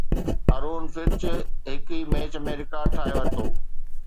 آرون فنچ هڪ ئي match ۾ record ٺاهي ورتو